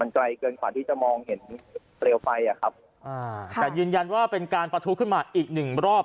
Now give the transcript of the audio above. ไกลเกินกว่าที่จะมองเห็นเร็วไปอ่ะครับอ่าแต่ยืนยันว่าเป็นการประทุขึ้นมาอีกหนึ่งรอบ